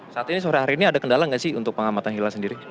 saat ini sore hari ini ada kendala nggak sih untuk pengamatan hilal sendiri